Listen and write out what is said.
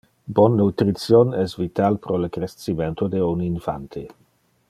Bon nutrition es vital pro le crescimento de un infante.